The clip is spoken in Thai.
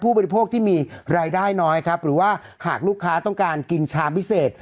บริโภคที่มีรายได้น้อยครับหรือว่าหากลูกค้าต้องการกินชามพิเศษ